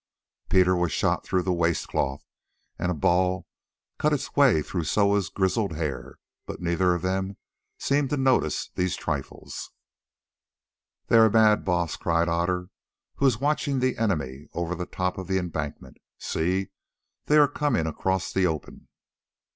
Peter was shot through the waist cloth and a ball cut its way through Soa's grizzled hair, but neither of them seemed to notice these trifles. "They are mad, Baas," cried Otter, who was watching the enemy over the top of the embankment. "See! they are coming across the open."